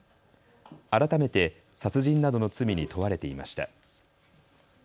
改めて殺人などの罪に問われていました。